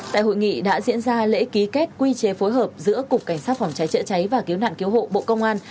tại hội nghị đã diễn ra lễ ký kết quy chế phối hợp giữa cục cảnh sát phòng cháy chữa cháy và cứu nạn cứu hộ bộ công an